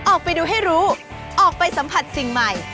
ออกไปดูให้รู้ออกไปสัมผัสสิ่งใหม่